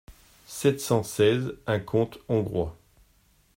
sept cent seize), un conte hongrois (G.